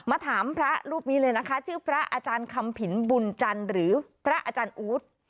ถามพระรูปนี้เลยนะคะชื่อพระอาจารย์คำผินบุญจันทร์หรือพระอาจารย์อู๊ด